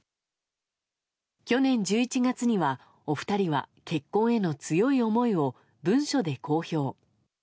去年１１月にはお二人は、結婚への強い思いを文書で公表。